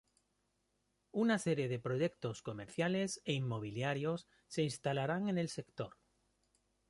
Una serie de Proyectos Comerciales e Inmobiliarios se instalaran en el Sector.